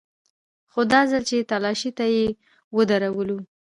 خو دا ځل چې تلاشۍ ته يې ودرولو.